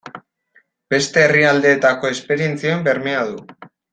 Beste herrialdeetako esperientzien bermea du.